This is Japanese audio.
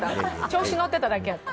調子乗ってただけやった。